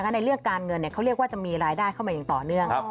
ในเรื่องการเงินเขาเรียกว่าจะมีรายได้เข้ามาอย่างต่อเนื่อง